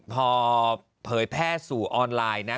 พอเผยแพร่สู่ออนไลน์นะ